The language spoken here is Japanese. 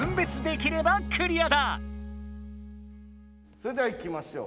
それではいきましょう。